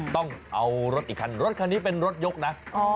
ต้องเอารถอีกคันรถคันนี้เป็นรถยกนะ